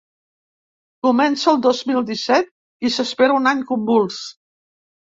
Comença el dos mil disset i s’espera un any convuls.